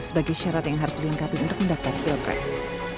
sebagai syarat yang harus dilengkapi untuk mendaftar ke capres